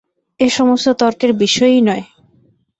এ-সমস্ত তর্কের বিষয়ই নয়।